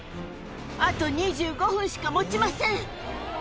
あと２５分しかもちません！